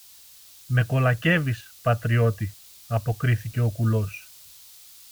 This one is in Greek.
Με κολακεύεις, πατριώτη, αποκρίθηκε ο κουλός